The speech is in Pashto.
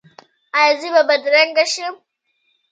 ایا زه به بدرنګه شم؟